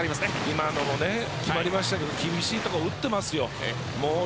今のも決まりましたけど厳しい所、打っていますよ。